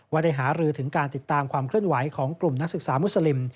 ได้หารือถึงการติดตามความเคลื่อนไหวของกลุ่มนักศึกษามุสลิม